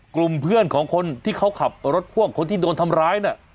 กลุ่มเพื่อนของคนที่เขาขับรถพ่วงคนที่โดนทำร้ายเนี่ย